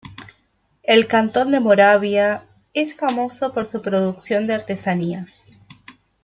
El cantón de Moravia es famoso por su producción de artesanías.